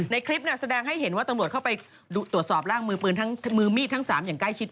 ในคลิปแสดงให้เห็นว่าตำรวจเข้าไปตรวจสอบร่างมือปืนมือมีดทั้ง๓อย่างใกล้ชิด